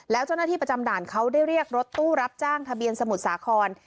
แล้วเจ้าหน้าที่ประจำด่านเขาได้เรียกรถตู้รับจ้างทะเบียนสมุทรสาคร